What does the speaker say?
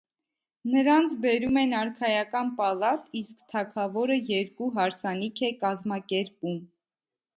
Նրանց բերում են արքայական պալատ, իսկ թագավորը երկու հարսանիք է կազմակերպում։